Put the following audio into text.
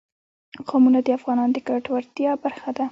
قومونه د افغانانو د ګټورتیا برخه ده.